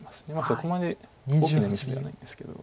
そこまで大きなミスではないんですけど。